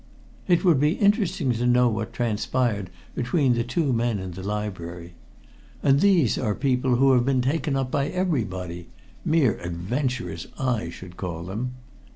It would be interesting to know what transpired between the two men in the library. And these are people who've been taken up by everybody mere adventurers, I should call them!"